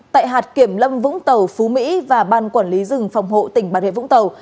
tại hạt kiểm lâm vũng tàu phú mỹ và ban quản lý rừng phòng hộ tỉnh bà rịa vũng tàu